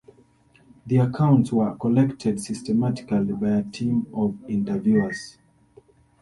The accounts were collected systematically by a team of interviewers.